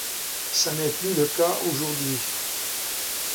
Ça n'est plus le cas aujourd'hui.